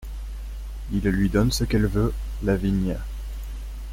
Il lui donne ce qu'elle veut, la vigne.